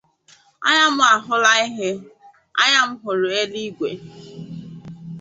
Anya mụ ahụla ihe! Anya mụ hụrụ elu igwe